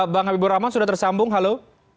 bang habibur rahman sudah tersambung halo